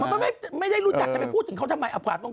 ก็ไม่ได้จักไปพูดถึงเขาทำไมอับหลักตรง